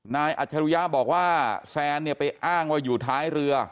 อัจฉริยะบอกว่าแซนเนี่ยไปอ้างว่าอยู่ท้ายเรือ